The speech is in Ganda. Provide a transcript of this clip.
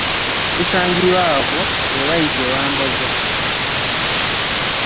Tusangibwa awo we bayita ewa Mbogo.